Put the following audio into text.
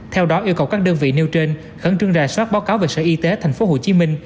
theo đó yêu cầu các đơn vị nêu trên khẩn trương rà soát báo cáo về sở y tế tp hcm